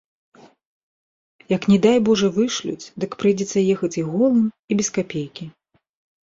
Як не дай божа вышлюць, дык прыйдзецца ехаць і голым і без капейкі.